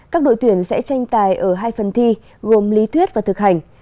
các đội tuyển sẽ tranh tài ở hai phần thi gồm lý thuyết và thực hành